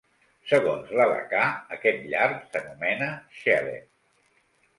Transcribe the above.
Segons l'halacà, aquest llard s'anomena "chelev".